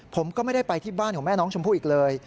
ผมก็ไม่ได้ไปที่บ้านของแม่น้องชมพู่อีกเลย